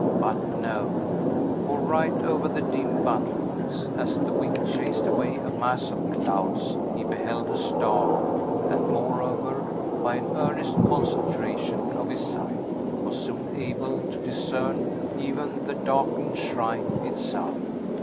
But no! For right over the dim battlements, as the wind chased away a mass of clouds, he beheld a star, and moreover, by an earnest concentration of his sight, was soon able to discern even the darkened shrine itself.